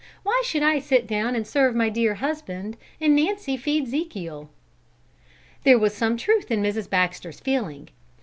Why should I sit down and serve my dear husband, and Nancy feed 'Zekiel?" There was some truth in Mrs. Baxter's feeling.